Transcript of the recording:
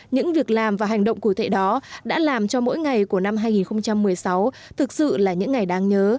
những việc làm và hành động cụ thể đó đã làm cho mỗi ngày của năm hai nghìn một mươi sáu thực sự là những ngày đáng nhớ